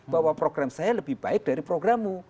bahwa program saya lebih baik dari programmu